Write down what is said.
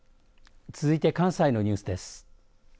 続いて関西のニュースです。